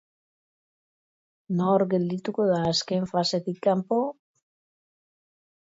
Nor geldituko da azken fasetik kanpo?